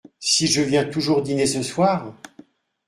Si je viens toujours dîner ce soir ?…